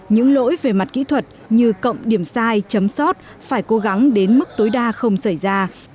những lỗi về mặt kỹ thuật như cộng điểm sai chấm sót phải cố gắng đến mức tối đa không xảy ra